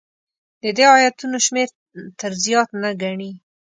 د دې ایتونو شمېر تر زیات نه ګڼي.